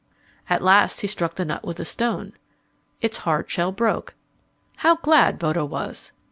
At last he struck the nut with a stone. Its hard shell broke. How glad Bodo was!